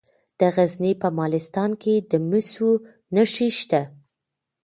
د غزني په مالستان کې د مسو نښې شته.